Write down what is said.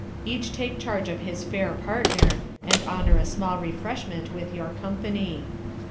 Each take charge of his fair partner, and honour a small refreshment with your company.'